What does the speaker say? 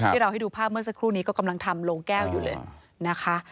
ที่เราให้ดูภาพเมื่อสักครู่นี้ก็กำลังทำโรงแก้วอยู่เลยนะคะ